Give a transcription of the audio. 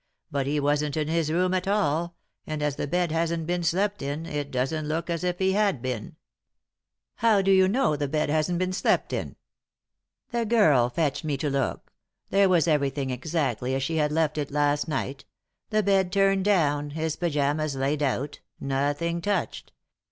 But he wasn't in his room at all, and, as the bed hasn't been slept in, it doesn't look as if he had been." " How do you know the bed hasn't been slept in?" "The girl fetched me to look There was every thing exactly as she had left it last night — the bed turned down, his pyjamas laid out, nothing touched.